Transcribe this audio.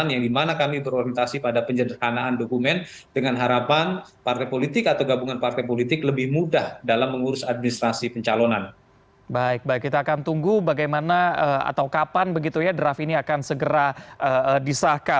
yang ketiga kami akan mengedepankan digitalisasi dalam tahapan penyelenggaran pemilu